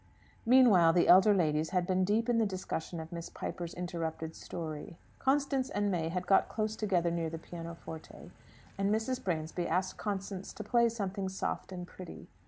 Meanwhile the elder ladies had been deep in the discussion of Miss Piper's interrupted story. Constance and May had got close together near the pianoforte, and Mrs. Bransby asked Constance to play something "soft and pretty."